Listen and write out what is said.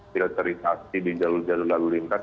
filterisasi di jalur jalur lalu lintas